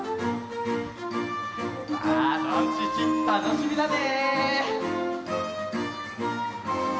さあどんちっちたのしみだね！